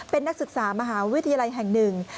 เป็นนักศึกษามหาวิทยาลัยแห่งหนึ่ง